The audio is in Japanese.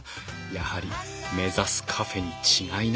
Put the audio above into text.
やはり目指すカフェに違いないはず。